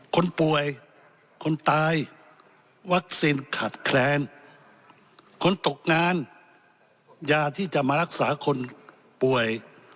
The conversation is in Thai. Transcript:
คนป่วยคนตายวัคซีนขาดแคลนคนตกงานยาที่จะมารักษาคนป่วย